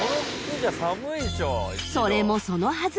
それもそのはず。